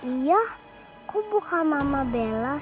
iya kok buka mama bella sih